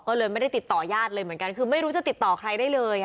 ก็เลยไม่ได้ติดต่อญาติเลยเหมือนกันคือไม่รู้จะติดต่อใครได้เลย